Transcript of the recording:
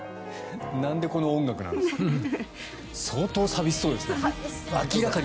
なんでこの音楽なんですか。